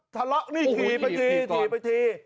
ทะละนี่ถี่ไปถี่ถี่ไปถี่